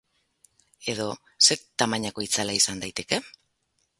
Edo, ze tamainako itzala izan daiteke?